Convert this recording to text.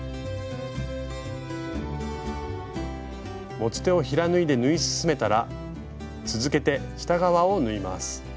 持ち手を平縫いで縫い進めたら続けて下側を縫います。